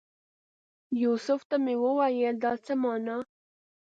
یوسف ته مې وویل دا څه مانا؟